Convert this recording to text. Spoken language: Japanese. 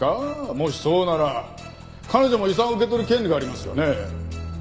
もしそうなら彼女も遺産を受け取る権利がありますよね。